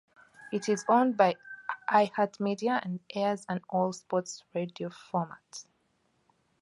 It is owned by iHeartMedia and airs an all sports radio format.